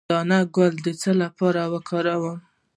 د ګندنه ګل د څه لپاره وکاروم؟